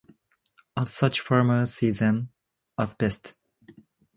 As such farmers see them as pests.